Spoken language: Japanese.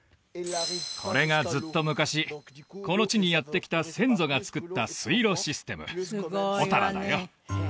これがずっと昔この地にやって来た先祖がつくった水路システムホタラだよ